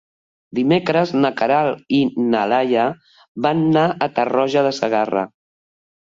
Dimecres na Queralt i na Laia van a Tarroja de Segarra.